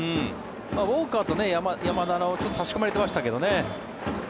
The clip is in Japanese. ウォーカーと山田のはちょっと差し込まれてましたけどね。